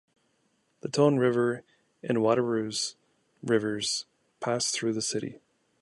The Tone River and Watarase Rivers pass through the city.